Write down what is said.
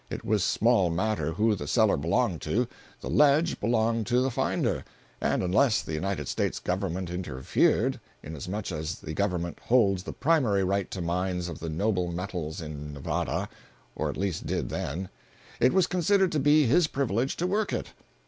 It was small matter who the cellar belonged to—the "ledge" belonged to the finder, and unless the United States government interfered (inasmuch as the government holds the primary right to mines of the noble metals in Nevada—or at least did then), it was considered to be his privilege to work it.